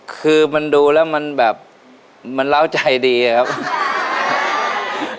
คือมันดูแล้วมันแบบมันเล้าใจดีครับ